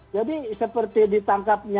jadi seperti ditangkapnya